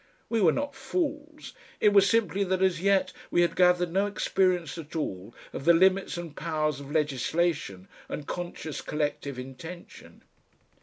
We were not fools; it was simply that as yet we had gathered no experience at all of the limits and powers of legislation and conscious collective intention....